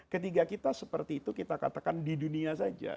ketiga kita seperti itu kita katakan di dunia saja